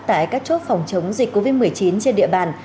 tại các chốt phòng chống dịch covid một mươi chín trên địa bàn